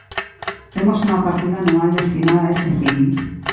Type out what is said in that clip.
Temos unha partida anual destinada a ese fin.